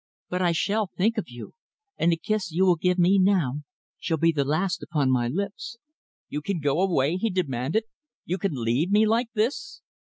But I shall think of you, and the kiss you will give me now shall be the last upon my lips." "You can go away?" he demanded. "You can leave me like this?"